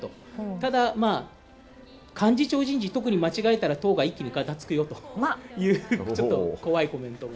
ただ、幹事長人事、特に間違えたら党が一気にがたつくよと、ちょっと怖いコメントも。